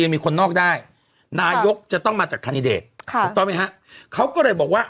มีคนนอกได้นายกจะต้องมาจากคันดิเดตค่ะถูกต้องไหมฮะเขาก็เลยบอกว่า